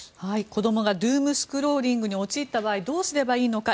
子供がドゥーム・スクローリングに陥った場合どうすればいいのか